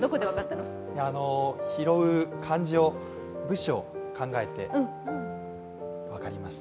漢字の部首を考えて分かりました。